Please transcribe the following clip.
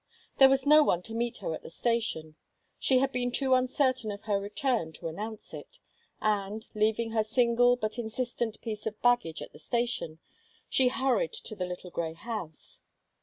There was no one to meet her at the station; she had been too uncertain of her return to announce it, and, leaving her single, but insistent, piece of baggage at the station, she hurried to the little grey house.